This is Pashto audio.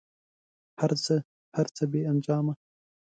هر څه، هر څه بې انجامه